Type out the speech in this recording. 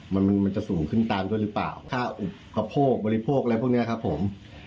มันมันจะสูงขึ้นตามด้วยหรือเปล่าค่าอุปโภคบริโภคอะไรพวกนี้ครับผม